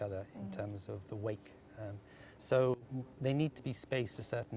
dan kami melakukan perusahaan profesional